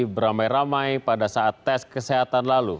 beramai ramai pada saat tes kesehatan lalu